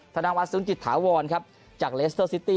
ธนวัฒนสุนจิตถาวรครับจากเลสเตอร์ซิตี้